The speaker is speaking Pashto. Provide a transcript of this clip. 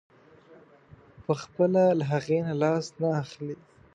پخپله له هغې نه لاس نه اخلي.